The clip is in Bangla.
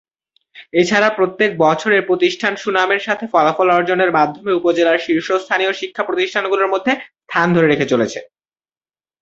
এছাড়া প্রত্যেক বছর এ প্রতিষ্ঠান সুনামের সাথে ফলাফল অর্জনের মাধ্যমে উপজেলার শীর্ষস্থানীয় শিক্ষা প্রতিষ্ঠানগুলোর মধ্যে স্থান ধরে রেখে চলেছে।